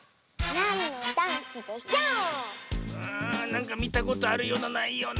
なんかみたことあるようなないような。